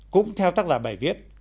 cũng theo tác giả bài viết